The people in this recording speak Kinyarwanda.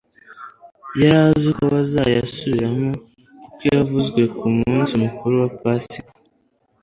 Yari azi ko bazayasubiramo. Kuko yavuzwe ku munsi mukuru wa Pasika,